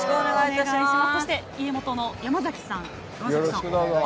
そして家元の山崎さんです。